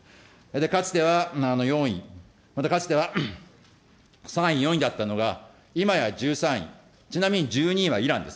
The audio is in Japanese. かつては４位、またかつては３位、４位だったのが、いまや１３位、ちなみに１２位はイランです。